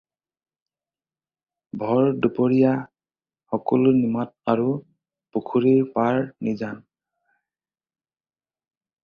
ভৰ দুপৰীয়া সকলো নিমাত আৰু পুখুৰীৰ পাৰ নিজান।